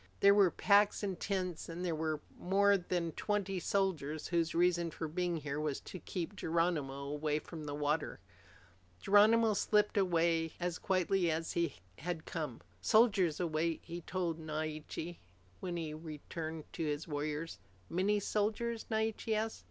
There were packs and tents, and there were more than twenty soldiers whose only reason for being here was to keep Geronimo away from the water. Geronimo slipped away as quietly as he had come. "Soldiers await," he told Naiche when he had returned to his warriors. "Many soldiers?" Naiche asked.